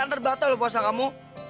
ntar batal loh puasa kamu